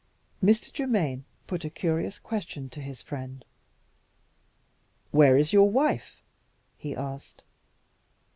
Mr. Germaine put a curious question to his friend. "Where is your wife?" he asked.